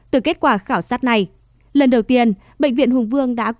từ kết quả khảo sát này lần đầu tiên bệnh viện hùng vương đã cố gắng tìm hiểu